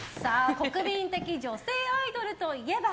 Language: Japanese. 国民的女性アイドルといえば？